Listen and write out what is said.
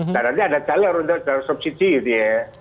dan nanti ada jalur untuk jalur subsidi gitu ya